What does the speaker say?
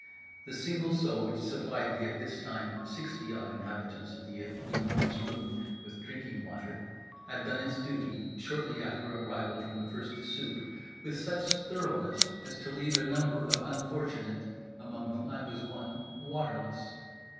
The single seau which supplied the (at this time) sixty odd inhabitants of The Enormous Room with drinking water had done its duty, shortly after our arrival from the first soupe with such thoroughness as to leave a number of unfortunate (among whom I was one) waterless.